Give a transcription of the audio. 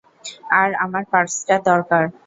আর আমার পার্সটা দরকার।